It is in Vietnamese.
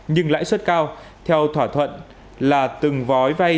nhưng lãi suất cao theo thỏa thuận là từng gói vay